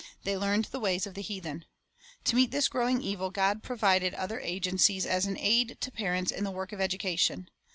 They learned the ways of the heathen. To meet this growing evil, God provided other agencies as an aid to parents in the work of education.